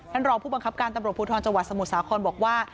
รองผู้บังคับการตำรวจภูทรจังหวัดสมุทรสาครบอกว่า